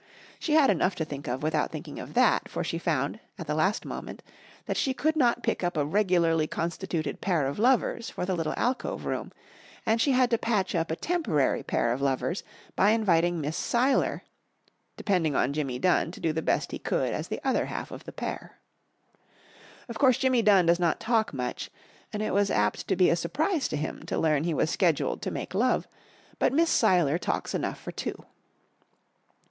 She had enough to think of without thinking of that, for she found, at the last moment, that she could not pick up a regularly constituted pair of lovers for the little alcove room, and she had to patch up a temporary pair of lovers by inviting Miss Seiler, depending on Jimmy Dunn to do the best he could as the other half of the pair. Of course Jimmy Dunn does not talk much, and it was apt to be a surprise to him to learn he was scheduled to make love, but Miss Seiler talks enough for two.